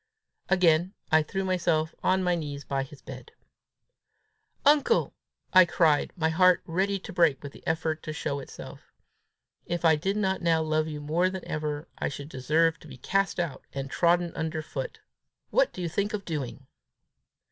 Again I threw myself on my knees by his bed. "Uncle," I cried, my heart ready to break with the effort to show itself, "if I did not now love you more than ever, I should deserve to be cast out, and trodden under foot! What do you think of doing?"